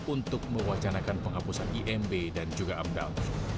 untuk mewacanakan penghapusan imb dan juga amdal